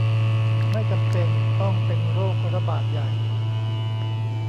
ไม่จำเป็นต้องเป็นโรคระบาดใหญ่